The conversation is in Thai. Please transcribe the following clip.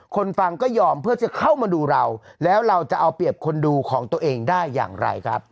ฟังก็ยอมเพื่อจะเข้ามาดูเราแล้วเราจะเอาเปรียบคนดูของตัวเองได้อย่างไรครับ